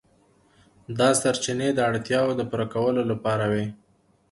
دا سرچینې د اړتیاوو د پوره کولو لپاره وې.